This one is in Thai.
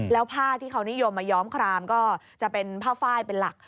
แล้วผ้าที่เขานิยมมาย้อมครามก็จะเป็นผ้าไฟล์เป็นหลัก